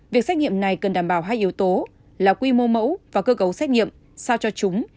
việc xét nghiệm này cần đảm bảo hai yếu tố là quy mô mẫu và cơ cấu xét nghiệm sao cho chúng